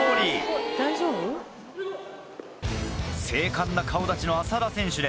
精悍な顔立ちの浅田選手です。